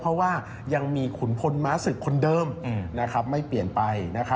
เพราะว่ายังมีขุนพลม้าศึกคนเดิมไม่เปลี่ยนไป